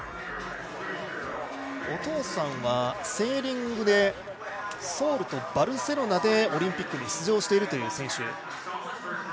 お父さんは、セーリングでソウルとバルセロナでオリンピックに出場している選手。